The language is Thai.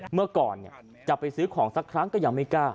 เมื่อก่อนเนี่ยจะซื้อของซักครั้งแต่ยังไม่กล้า